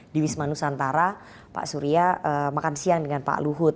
di wisma nusantara pak surya makan siang dengan pak luhut